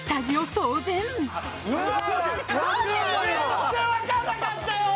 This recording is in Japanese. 全然分からなかったよ！